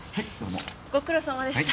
ご苦労さまでした。